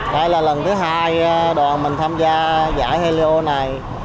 đây là lần thứ hai đoàn mình tham gia giải hello này